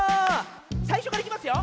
さいしょからいきますよ！